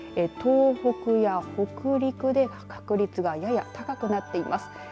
東北や北陸で確率がやや高くなっています。